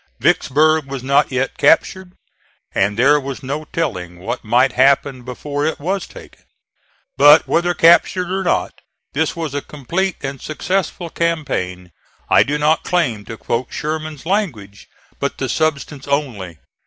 Vicksburg was not yet captured, and there was no telling what might happen before it was taken; but whether captured or not, this was a complete and successful campaign. I do not claim to quote Sherman's language; but the substance only.